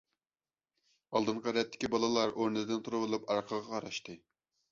ئالدىنقى رەتتىكى بالىلار ئورنىدىن تۇرۇۋېلىپ ئارقىغا قاراشتى.